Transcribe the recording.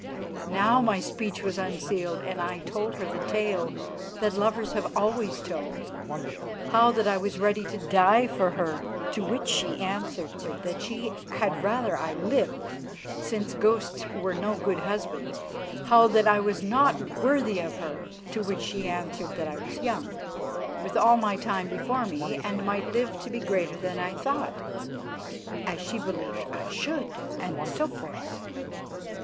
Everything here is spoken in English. Now my speech was unsealed, and I told her the tale that lovers have always told. How that I was ready to die for her (to which she answered that she had rather that I lived, since ghosts were no good husbands); how that I was not worthy of her (to which she answered that I was young, with all my time before me, and might live to be greater than I thought, as she believed I should); and so forth.